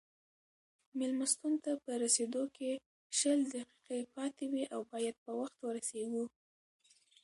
مېلمستون ته په رسېدو کې شل دقیقې پاتې دي او باید په وخت ورسېږو.